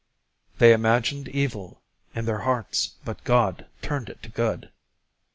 "They imagined evil in their hearts, but God turned it to good."